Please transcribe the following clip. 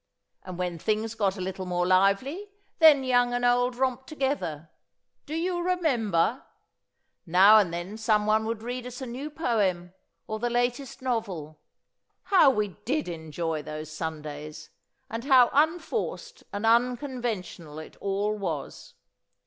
And when things got a little more lively, then young and old romped together. Do you remember? Now and then someone would read us a new poem or the latest novel. How we did enjoy those Sundays! And how unforced and unconventional it all was!